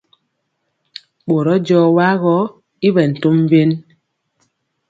Ɓorɔ jɔɔ wa gɔ i ɓɛ tom wen.